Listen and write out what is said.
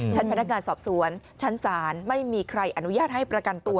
พนักงานสอบสวนชั้นศาลไม่มีใครอนุญาตให้ประกันตัว